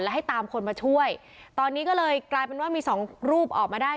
ให้ตามคนมาช่วยตอนนี้ก็เลยกลายเป็นว่ามีสองรูปออกมาได้